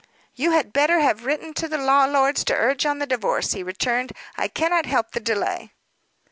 "You had better have written to the law lords to urge on the divorce," he returned. "I cannot help the delay."